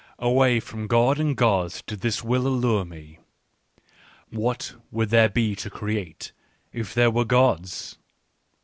" Away from God and gods did this will lure me : what would there be to create if there were gods?